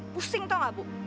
pusing tau gak bu